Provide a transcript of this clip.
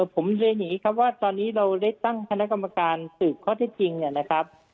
ผมเลยหนีครับว่าตอนนี้เราได้ตั้งคณะกรรมการสืบข้อเท็จจริงนะครับ